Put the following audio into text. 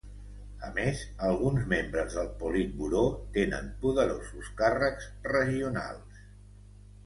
A més, alguns membres del Politburó tenen poderosos càrrecs regionals.